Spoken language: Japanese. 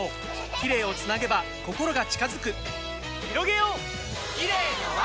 キレイをつなげば心が近づくひろげようキレイの輪！